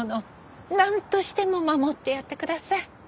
なんとしても守ってやってください。